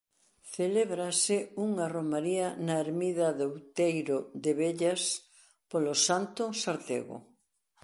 Celébrase unha romaría na ermida de Outeiro de Vellas polo Santo Sartego.